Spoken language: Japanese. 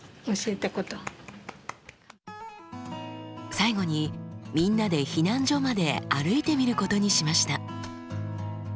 最後にみんなで避難所まで歩いてみることにしました。